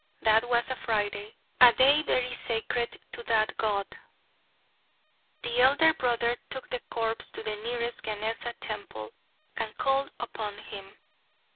That was a Friday, a day very sacred to that god. The elder brother took the corpse to the nearest Ganesa temple and called upon him.